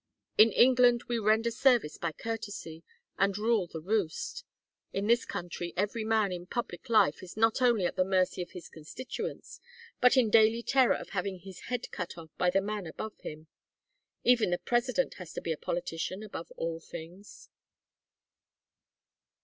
In England we render service by courtesy, and rule the roost. In this country every man in public life is not only at the mercy of his constituents, but in daily terror of having his head cut off by the man above him. Even the President has to be a politician above all things."